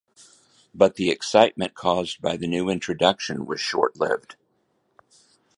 But the excitement caused by the new introduction was short-lived.